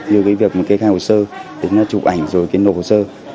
như việc kê khai hồ sơ chụp ảnh rồi kê nổ hồ sơ